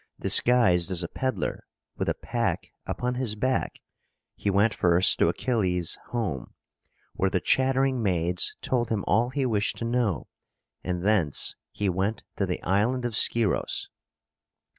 Disguised as a peddler, with a pack upon his back, he went first to Achilles' home, where the chattering maids told him all he wished to know, and thence he went to the Island of Scyros.